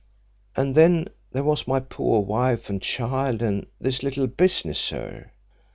And then there was my poor wife and child, and this little business, sir.